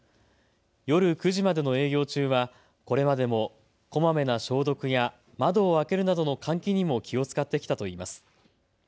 夜９時までの営業中はこれまでもこまめな消毒や窓を開けるなどの換気にも気を遣ってきたといいます。